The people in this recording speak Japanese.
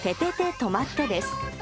とまって！です。